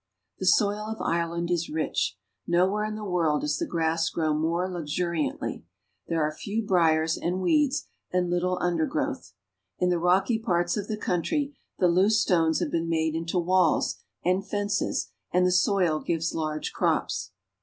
The soil of Ireland is rich. Nowhere in the world does the grass grow more luxuriantly. There are few briers and weeds and little undergrowth. In the rocky parts of the country the loose stones have been made into walls and fences, and the soil gives large crops.